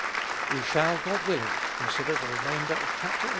We shall, God willing, consider the remainder of Chapter xi.